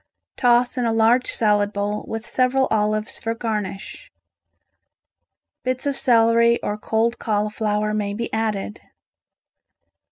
Toss in a large salad bowl with several olives for garnish. Bits of celery or cold cauliflower may be added.